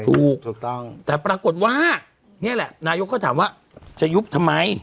ถูกต้องแต่ปรากฏว่านี่แหละนายกก็ถามว่าจะยุบทำไม